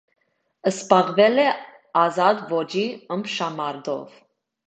Զբաղվել է ազատ ոճի ըմբշամարտով։